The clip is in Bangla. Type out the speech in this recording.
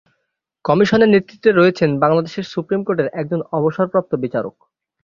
কমিশনের নেতৃত্বে রয়েছেন বাংলাদেশ সুপ্রিম কোর্টের একজন অবসরপ্রাপ্ত বিচারক।